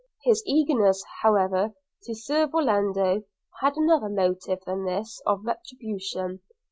His eagerness, however, to serve Orlando, had another motive than this of retribution.